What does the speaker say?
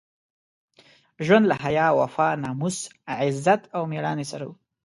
ژوند له حیا، وفا، ناموس، عزت او مېړانې سره وو.